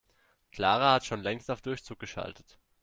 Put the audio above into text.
Clara hat schon längst auf Durchzug geschaltet.